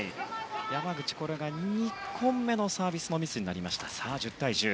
山口、２個目のサービスのミスになりました。